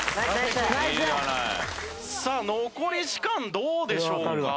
さあ残り時間どうでしょうか？